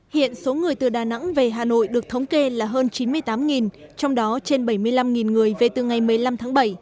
hiện số người từ đà nẵng về hà nội được thống kê là hơn chín mươi tám trong đó trên bảy mươi năm người về từ ngày một mươi năm tháng bảy